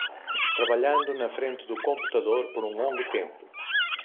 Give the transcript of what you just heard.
Trabalhando na frente do computador por um longo tempo